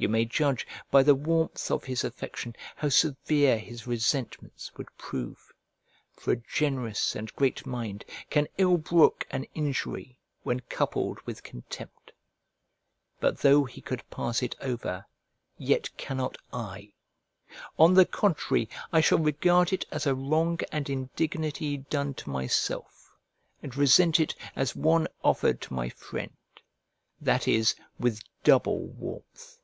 You may judge by the warmth of his affection how severe his resentments would prove; for a generous and great mind can ill brook an injury when coupled with contempt. But though he could pass it over, yet cannot I: on the contrary, I shall regard it as a wrong and indignity done to myself, and resent it as one offered to my friend; that is, with double warmth.